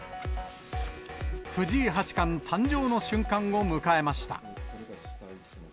藤井八冠誕生の瞬間を迎えました。